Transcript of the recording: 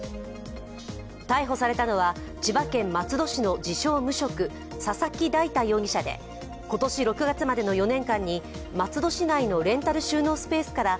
逮捕されたのは、千葉県松戸市の自称・無職、佐々木大太容疑者で今年６月までの４年間に松戸市内のレンタル収納スペースから